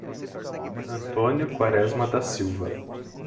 Antônio Quaresma da Silva